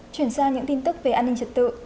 chuyển sang những tin tức về an ninh trật tự